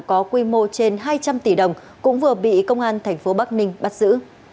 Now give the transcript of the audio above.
có quy mô trên hai trăm linh tỷ đồng cũng vừa bị công an tp bắc ninh bắt giữ